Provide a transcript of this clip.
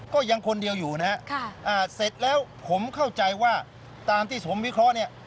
ก็ยังคนเดียวอยู่นะฮะเสร็จแล้วผมเข้าใจว่าตามที่ผมวิเคราะห์เนี่ย